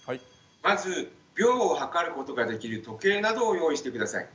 まず秒を計ることができる時計などを用意して下さい。